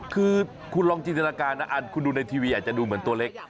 คือคุณลองจินตนาการนะคุณดูในทีวีอาจจะดูเหมือนตัวเล็ก